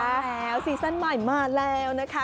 แล้วซีซั่นใหม่มาแล้วนะคะ